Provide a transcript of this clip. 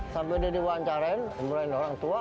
sampai dia diwawancarain memperluahkan orang tua